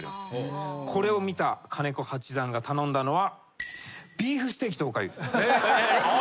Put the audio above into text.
これを見た金子八段が頼んだのは。